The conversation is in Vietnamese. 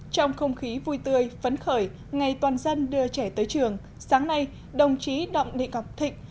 trong không khí vui tươi phấn khởi ngày toàn dân đưa trẻ tới trường sáng nay đồng chí đặng thị ngọc thịnh